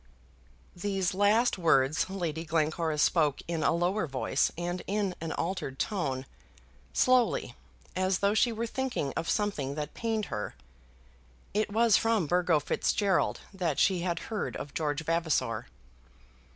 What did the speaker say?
These last words Lady Glencora spoke in a lower voice and in an altered tone, slowly, as though she were thinking of something that pained her. It was from Burgo Fitzgerald that she had heard of George Vavasor.